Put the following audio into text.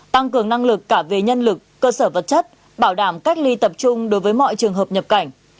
tăng cường năng lực cả về nhân lực cơ sở vật chất bảo đảm cách ly tập trung đối với mọi trường hợp nhập cảnh